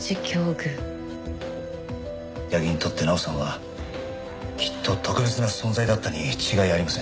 矢木にとって奈緒さんはきっと特別な存在だったに違いありません。